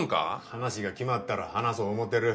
話が決まったら話そう思うてる。